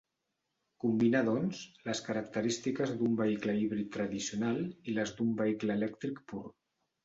Combina doncs les característiques d'un vehicle híbrid tradicional i les d'un vehicle elèctric pur.